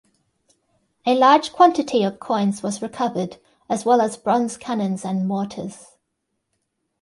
A large quantity of coins was recovered, as well as bronze cannons and mortars.